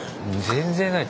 全然ない。